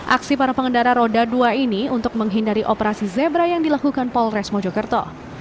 aksi para pengendara roda dua ini untuk menghindari operasi zebra yang dilakukan polres mojokerto